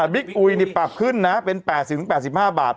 บิ๊กอุยปรับขึ้นนะเป็น๘๐๘๕บาท